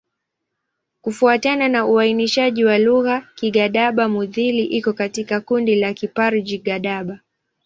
Kufuatana na uainishaji wa lugha, Kigadaba-Mudhili iko katika kundi la Kiparji-Gadaba.